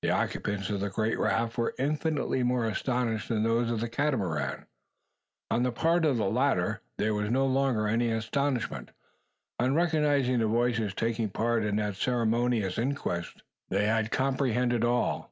The occupants of the great raft were infinitely more astonished than those of the Catamaran. On the part of the latter there was no longer any astonishment. On recognising the voices taking part in that ceremonious inquest they had comprehended all.